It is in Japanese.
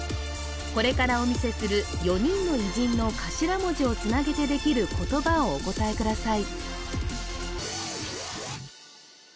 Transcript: これからお見せする４人の偉人の頭文字をつなげてできる言葉をお答えください